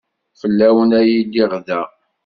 Fell-awen ay lliɣ da.